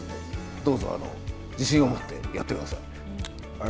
どうぞ、自信を持ってやってください。